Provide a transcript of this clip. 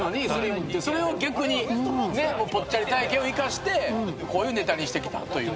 それを逆にぽっちゃり体形を生かしてこういうネタにしてきたというね。